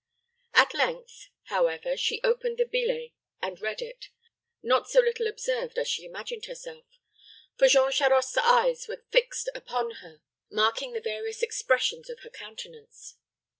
At length, however, she opened the billet and read it, not so little observed as she imagined herself; for Jean Charost's eyes were fixed upon her, marking the various expressions of her countenance.